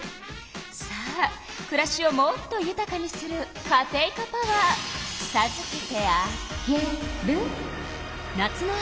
さあくらしをもっとゆたかにするカテイカパワーさずけてあげる。